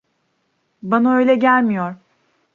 Bana öyle gelmiyor.